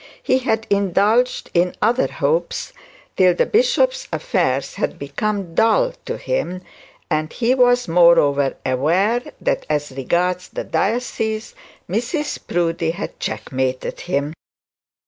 He had indulged in other hopes till the bishop's affairs had become dull to him, and he was moreover aware that, as regarded the diocese, Mrs Proudie had checkmated him.